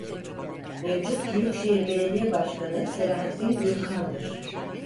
Mevcut Büyükşehir Belediye Başkanı Selahattin Gürkan'dır.